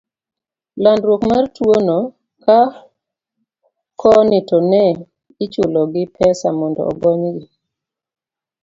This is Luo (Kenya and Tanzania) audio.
landruok mar tuwono, ka koni to ne ichulogi pesa mondo ogonygi.